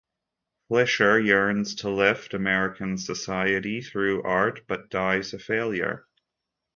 Fleisher yearns to lift American society through art, but dies a failure.